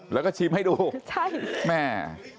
แล้วก็ชิมให้ดูใช่แม่